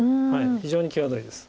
非常に際どいです。